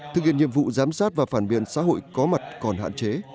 thực hiện nhiệm vụ giám sát và phản biện xã hội có mặt còn hạn chế